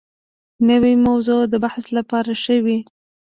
نوې موضوع د بحث لپاره ښه وي